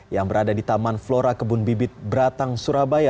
yang berada di taman flora kebun bibit beratang surabaya